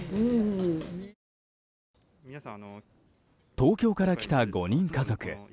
東京から来た５人家族。